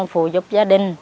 phù giúp gia đình